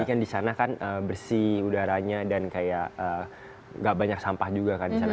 jadi kan disana kan bersih udaranya dan kayak gak banyak sampah juga kan disana